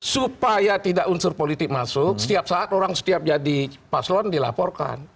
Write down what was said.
supaya tidak unsur politik masuk setiap saat orang setiap jadi paslon dilaporkan